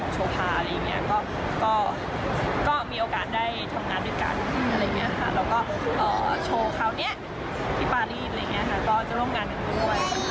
โชว์คราวเนี้ยที่ปะรี่ดก็จะร่วมงานกันด้วย